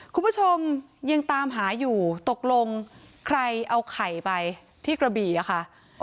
คุณผู้ชมยังตามหาอยู่ตกลงใครเอาไข่ไปที่กระบี่อะค่ะ